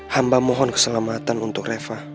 hamba mohon keselamatan untuk reva